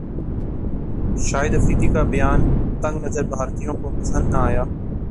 شاہد افریدی کا بیان تنگ نظر بھارتیوں کو پسند نہ ایا